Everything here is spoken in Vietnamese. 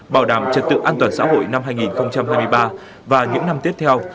bảo đảm trật tự an toàn xã hội năm hai nghìn hai mươi ba và những năm tiếp theo